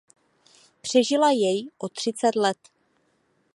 Přežila jej o třicet let.